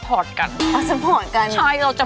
ขอต้อนรับพี่หมอโจ้